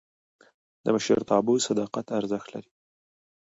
د مشرتابه صداقت ارزښت لري